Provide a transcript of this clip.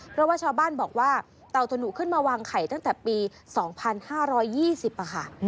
เพราะว่าชาวบ้านบอกว่าเต่าถนุขึ้นมาวางไข่ตั้งแต่ปี๒๕๒๐ค่ะ